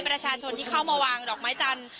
ประชาชนที่เข้ามาวางดอกไม้จันทร์